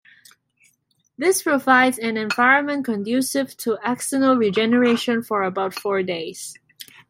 This provides an environment conducive to axonal regeneration for about four days.